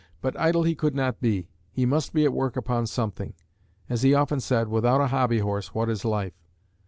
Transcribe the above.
But idle he could not be; he must be at work upon something. As he often said, "without a hobby horse, what is life?"